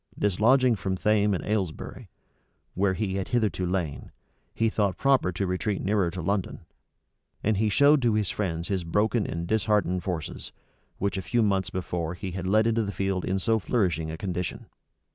Dislodging from Thame and Aylesbury, where he had hitherto lain, he thought proper to retreat nearer to London; and he showed to his friends his broken and disheartened forces, which a few months before he had led into the field in so flourishing a condition.